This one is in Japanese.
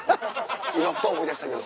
今ふと思い出したけど。